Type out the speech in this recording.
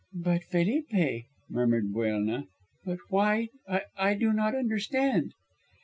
"But, Felipe," murmured Buelna. "But why I do not understand."